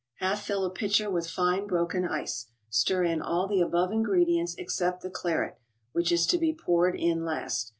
Half fill a pitcher with fine broken ice; stir in all the above ingredients except the claret, which is to be poured in last.